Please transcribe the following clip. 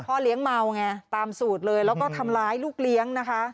เลี้ยงเมาไงตามสูตรเลยแล้วก็ทำร้ายลูกเลี้ยงนะคะ